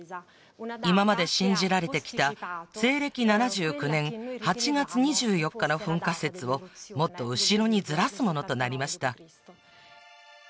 今まで信じられてきた西暦７９年８月２４日の噴火説をもっと後ろにずらすものとなりました